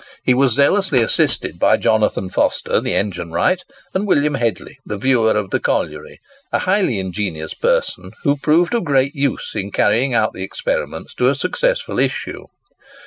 He was zealously assisted by Jonathan Foster the engine wright, and William Hedley, the viewer of the colliery, a highly ingenious person, who proved of great use in carrying out the experiments to a successful issue.